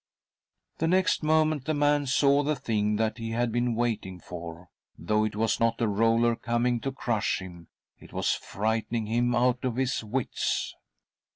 The next moment the man saw the thing that he had been waiting for — though it was not a roller coming to crush him it was frightening him out of his wits.